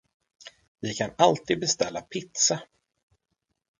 Vi kan alltid beställa pizza.